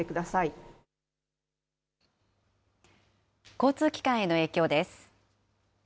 交通機関への影響です。